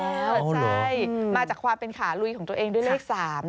ใช่มาจากความเป็นขาลุยของตัวเองด้วยเลข๓